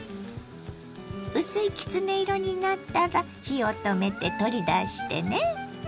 薄いきつね色になったら火を止めて取り出してね。